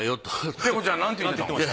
ペコちゃん何て言ってました？